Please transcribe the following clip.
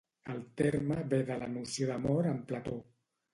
El terme ve de la noció d'amor en Plató.